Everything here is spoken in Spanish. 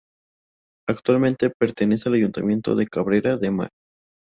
Actualmente, pertenece al Ayuntamiento de Cabrera de Mar.